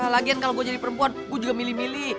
lagian kalau gue jadi perempuan gue juga milih milih